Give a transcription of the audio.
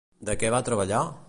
De què va treballar?